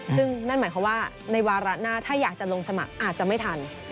ซึ่งนั่นหมายความว่าในวาระหน้าถ้าอยากจะลงสมัครอาจจะไม่ทัน